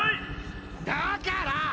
だから！